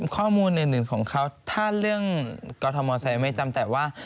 ข้อมูลอื่นของเขาถ้าเรื่องกอทอมอเตอร์ไซค์ไม่จำแต่ว่า